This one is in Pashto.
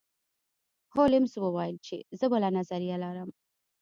هولمز وویل چې زه بله نظریه لرم.